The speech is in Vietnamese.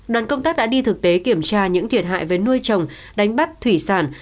đoàn công tác đã đi thực tế kiểm tra những thiệt hại với nuôi chồng đánh bắt thủy sản